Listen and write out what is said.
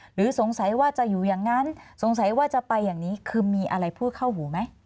หรือสงสัยว่าจะอยู่อย่างนั้นสงสัยว่าจะไปอย่างนี้คือมีอะไรพูดเข้าหูไหม